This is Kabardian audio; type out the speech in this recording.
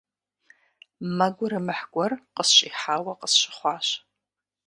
Мэ гурымыхь гуэр къысщӀихьауэ къысщыхъуащ.